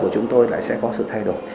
của chúng tôi lại sẽ có sự thay đổi